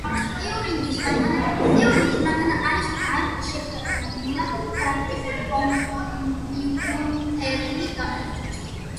ტიურინგის მანქანა არ შექმნილა პრაქტიკული კომპიუტერული გამოყენებისთვის.